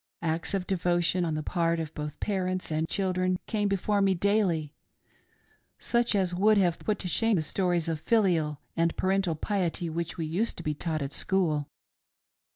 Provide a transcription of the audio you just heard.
Acts of devotion on the part of both parents and children came before me daily such as would have put to shame the stories of filial and parental piety which we used to be taught at school.